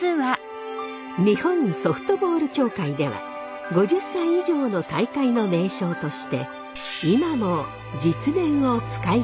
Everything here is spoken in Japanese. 日本ソフトボール協会では５０歳以上の大会の名称として今も実年を使い続けています。